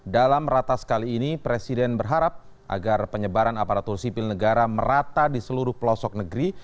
dalam ratas kali ini presiden berharap agar penyebaran aparatur sipil negara merata di seluruh pelosok negeri